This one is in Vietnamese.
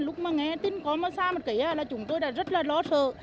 lúc mà nghe tin có mà xa một cái là chúng tôi đã rất là lo sợ